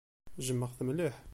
Jjmeɣ-t mliḥ.